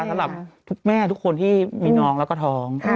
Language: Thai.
สำหรับทุกแม่ทุกคนที่มีน้องแล้วก็ท้อง